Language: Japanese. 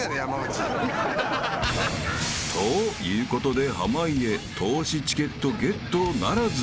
［ということで濱家透視チケットゲットならず］